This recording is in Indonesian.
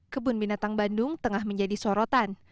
kebun binatang bandung tengah menjadi sorotan